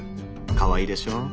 かわいいでしょ？